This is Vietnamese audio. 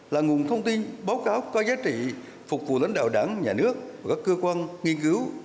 là nguồn thông tin báo cáo có giá trị phục vụ lãnh đạo đảng nhà nước và các cơ quan nghiên cứu